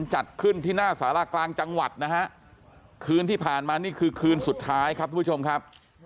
จัดขึ้นที่หน้าสารากลางจังหวัดนะฮะคืนที่ผ่านมานี่คือคืนสุดท้ายครับทุกผู้ชมครับ